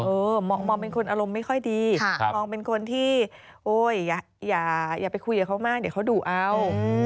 มองเป็นคนอารมณ์ไม่ค่อยดีมองเป็นคนที่โอ๊ยอย่าไปคุยกับเขามากเดี๋ยวเขาดุเอา